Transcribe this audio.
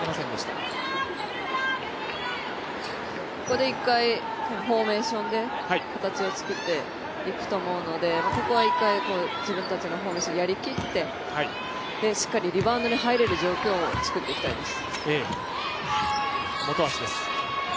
ここで１回フォーメーションで形を作っていくと思うのでここは１回、自分たちのフォーメーションやりきってしっかりリバウンドに入れる状況を作っていきたいです。